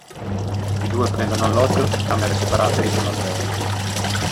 I due prendono alloggio, in camere separate, in un albergo.